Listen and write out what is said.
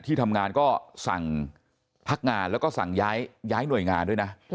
ที่ทำงานก็สั่งพักงานแล้วก็สั่งย้ายหน่วยงานด้วยนะ